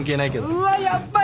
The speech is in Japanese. うわやっぱり！